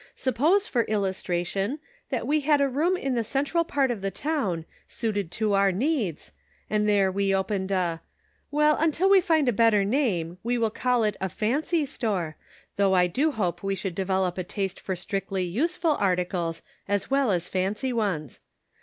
Suppose, for illustration, that we had a room in the central part of the town, suited to our needs, and there we opened a — well, until we find a better name, we will call it a fancy store, though I do hope we should develop a taste for strictly useful articles as well as fancy ones.